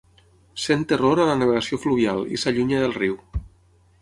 Sent terror a la navegació fluvial i s'allunya del riu.